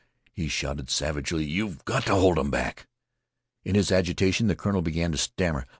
he shouted, savagely; "you 've got to hold 'em back!" In his agitation the colonel began to stammer.